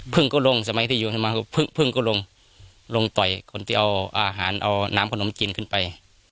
ก็ลงสมัยที่อยู่ให้มาพึ่งก็ลงลงต่อยคนที่เอาอาหารเอาน้ำขนมจีนขึ้นไป